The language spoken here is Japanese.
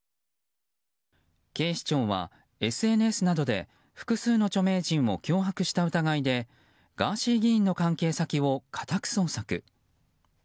警視庁は、ＳＮＳなどで複数の著名人などを脅迫した疑いでガーシー議員の関係先を家宅捜索。